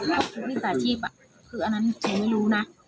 พวกผู้ที่สาชีพคืออันนั้นฉันไม่รู้นะ